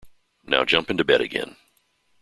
Now jump into bed again.